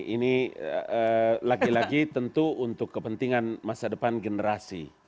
ini lagi lagi tentu untuk kepentingan masa depan generasi